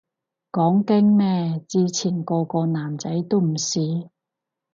講經咩，之前個個男仔都唔試